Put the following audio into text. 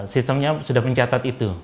sistemnya sudah mencatat itu